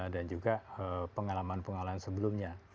dan juga pengalaman pengalaman sebelumnya